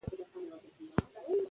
چاپېريال پاکوالی د کور فضا ښه کوي.